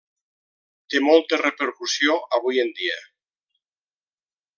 Té molta repercussió avui en dia.